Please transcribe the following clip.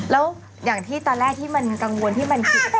แล้วอย่างที่ตอนแรกที่มันกังวลที่มันผิด